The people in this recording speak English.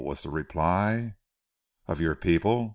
was the reply. "Of your people.